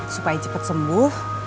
supaya cepet sembuh